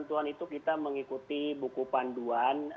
untuk kita mengikuti buku panduan